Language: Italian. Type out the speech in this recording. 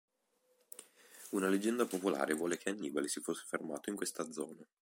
Una leggenda popolare vuole che Annibale si fosse fermato in questa zona.